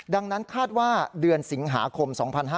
ดังนั้นคาดว่าเดือนสิงหาคม๒๕๕๙